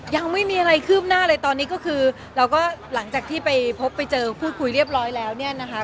ยังไม่มีอะไรคืบหน้าเลยตอนนี้ก็คือเราก็หลังจากที่ไปพบไปเจอพูดคุยเรียบร้อยแล้วเนี่ยนะคะ